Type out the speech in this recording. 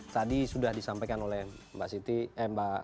tadi sudah disampaikan oleh mbak siti eh mbak